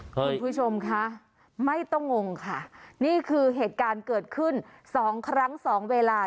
คุณผู้ชมคะไม่ต้องงงค่ะนี่คือเหตุการณ์เกิดขึ้นสองครั้งสองเวลา